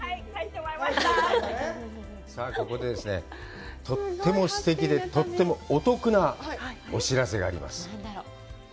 さあ、ここでですね、とってもすてきで、とってもお得なお知らせがあります。